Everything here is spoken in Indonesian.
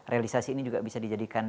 realisasi ini juga bisa dijadikan